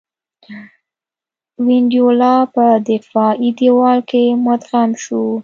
وینډولا په دفاعي دېوال کې مدغم شو.